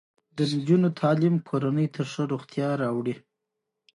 د نجونو تعلیم کورنۍ ته ښه روغتیا راوړي.